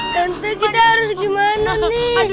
tentu kita harus gimana nih